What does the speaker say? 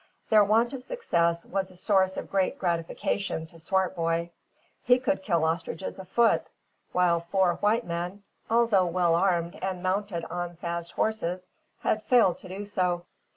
Their want of success was a source of great gratification to Swartboy. He could kill ostriches afoot, while four white men, although well armed and mounted on fast horses, had failed to do so.